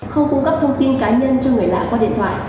không cung cấp thông tin cá nhân cho người lạ qua điện thoại